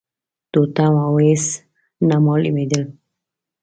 تورتم و هيڅ نه مالومېدل.